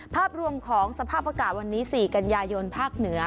ภาพรวมของสภาพอากาศวันนี้๔กันยายนภาคเหนือ